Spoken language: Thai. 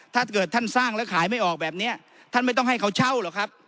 ถ้าเกิดท่านสร้างแล้วขายไม่ออกแบบนี้ท่านไม่ต้องให้เขาเช่าหรอกครับ